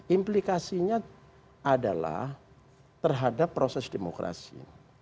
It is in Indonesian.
implikasinya adalah terhadap proses demokrasi